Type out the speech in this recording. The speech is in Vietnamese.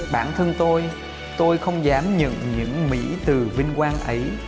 bản thân tôi tôi không dám nhận những mỹ từ vinh quang ấy